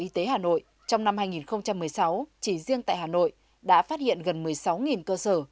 y tế hà nội trong năm hai nghìn một mươi sáu chỉ riêng tại hà nội đã phát hiện gần một mươi sáu cơ sở